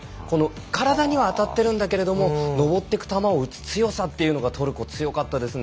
体には当たっているんだけどのぼっていく球を打つ強さがトルコ、強かったですね。